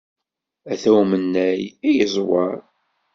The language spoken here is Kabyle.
Ata umennay i yeẓwer!